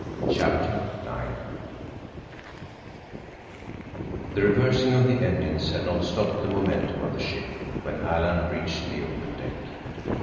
CHAPTER IX The reversing of the engines had not stopped the momentum of the ship when Alan reached the open deck.